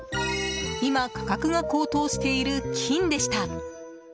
今、価格が高騰している金でした。